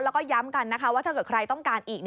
แล้วก็ย้ำกันนะคะว่าถ้าเกิดใครต้องการอีก